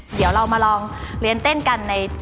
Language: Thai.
เดี๋ยวเรามาลองเรียนเต้นกันใน